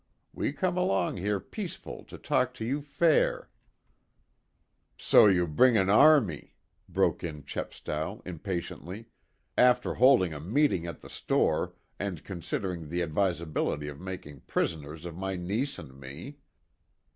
We come along here peaceful to talk you fair " "So you bring an army," broke in Chepstow, impatiently, "after holding a meeting at the store, and considering the advisability of making prisoners of my niece and me."